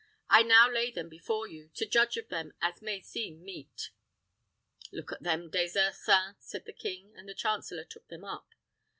I now lay them before you, to judge of them as may seem meet." "Look at them, Des Ursins," said the king; and the chancellor took them up.